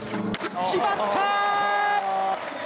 決まった！